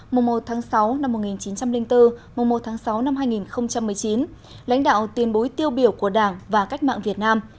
mùa một tháng sáu năm một nghìn chín trăm linh bốn mùa một tháng sáu năm hai nghìn một mươi chín lãnh đạo tiền bối tiêu biểu của đảng và cách mạng việt nam